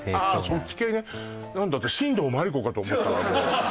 そっち系ね何だ私新藤真理子かと思ったわ